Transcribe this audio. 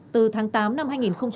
từ tháng tám năm hai nghìn một mươi tám